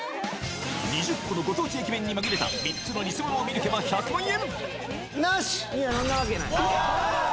２０個のご当地駅弁に紛れた３つのニセモノを見抜けば１００万円